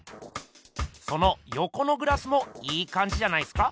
そのよこのグラスもいいかんじじゃないっすか？